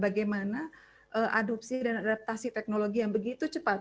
bagaimana adopsi dan adaptasi teknologi yang begitu cepat